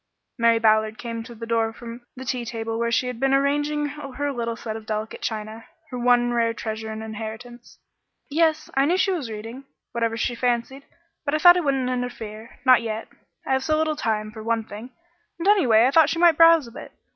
Mary Ballard came to the door from the tea table where she had been arranging her little set of delicate china, her one rare treasure and inheritance. "Yes, I knew she was reading whatever she fancied, but I thought I wouldn't interfere not yet. I have so little time, for one thing, and, anyway, I thought she might browse a bit.